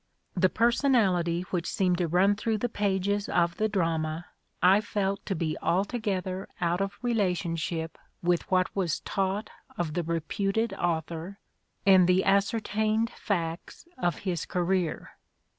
The personality which seemed to run through the pages of the drama I felt to be altogether out of relationship with what was taught of the reputed author and the ascertained facts of his career.